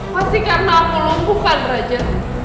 pasti karena aku lumpuh kan raja